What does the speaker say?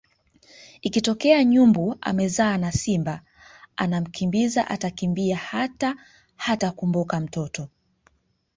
Ikitokea nyumbu amezaa na simba anamkimbiza atakimbia hata hatakumbuka mtoto